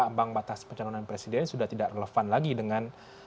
ambang batas pencalonan presiden sudah tidak relevan lagi dengan